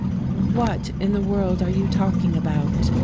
"What In the world are you talking about?"